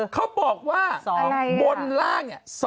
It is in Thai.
เขาบอกว่าบนล่าง๒๕๘